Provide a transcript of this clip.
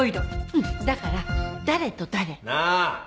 うんだから誰と誰？なぁ！